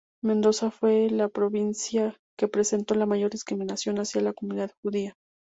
Mendoza fue la provincia que presentó la mayor discriminación hacia la comunidad judía.